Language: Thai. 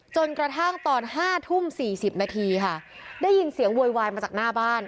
จนกระทั่งตอน๕ทุ่ม๔๐นาทีค่ะได้ยินเสียงโวยวายมาจากหน้าบ้าน